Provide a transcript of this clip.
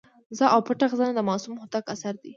زه او پټه خزانه د معصوم هوتک اثر دی.